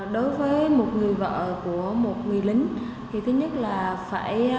đối với một người vợ của một người lính